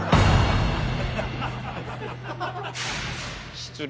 失礼。